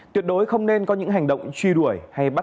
tuyệt đối không nên có những hành động truy đuổi hay bắt